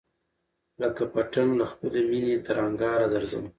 لکه پتڼ له خپلی مېني تر انگاره درځم